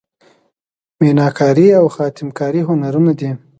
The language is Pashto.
میناکاري او خاتم کاري هنرونه دي.